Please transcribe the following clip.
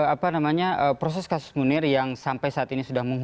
apa namanya proses kasus munir yang sampai saat ini sudah menghuku